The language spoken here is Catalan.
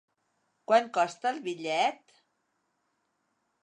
Quant costa el bitllet?